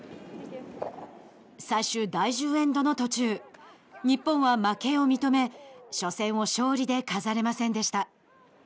最終、第１０エンドの途中日本は負けを認め初戦を勝利で飾れませんでした。